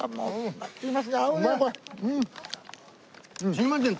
すいません